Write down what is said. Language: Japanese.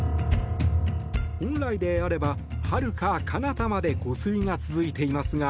本来であれば、はるかかなたまで湖水が続いていますが